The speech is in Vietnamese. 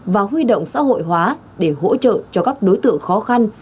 và huy động xã hội hóa để hỗ trợ cho các đối tượng khó khăn